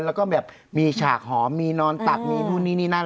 แล้วก็แบบมีฉากหอมมีนอนตักมีนู่นนี่นี่นั่น